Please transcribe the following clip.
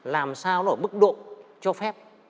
làm sao nó ở mức độ cho phép